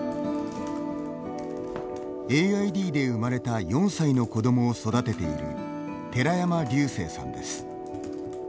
ＡＩＤで生まれた４歳の子どもを育てている寺山竜生さんです。